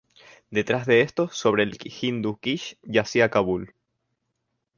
Detrás de estos, sobre el Hindu Kish, yacía Kabul.